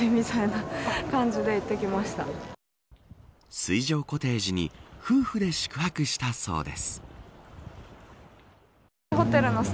水上コテージに夫婦で宿泊したそうです。